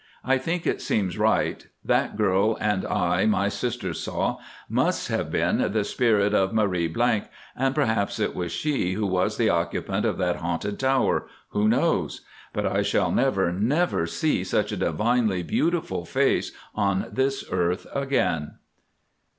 I think it seems right; that girl I and my sister saw must have been the spirit of Marie ⸺; and perhaps it was she who was the occupant of that haunted tower—who knows? but I shall never, never see such a divinely beautiful face on this earth again."